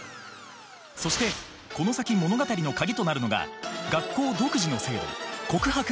そしてこの先物語の鍵となるのが学校独自の制度「告白カード」。